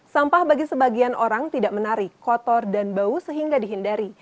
sampah bagi sebagian orang tidak menarik kotor dan bau sehingga dihindari